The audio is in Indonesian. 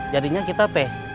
jadinya kita teh